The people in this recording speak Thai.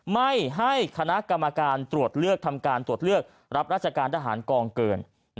ไม่ให้คณะกรรมการตรวจเลือกทำการตรวจเลือกรับราชการทหารกองเกิน